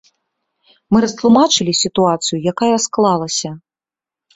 Мы растлумачылі сітуацыю, якая склалася.